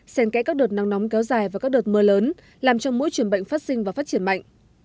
xen kẽ các đợt nắng nóng kéo dài và các đợt mưa lớn làm cho mũi truyền bệnh phát sinh và phát triển mạnh